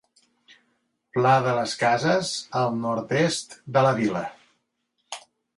Pla de les cases, al nord-est de la Vila.